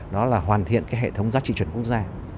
đó là hoàn thiện cái hệ thống giá trị chuẩn quốc gia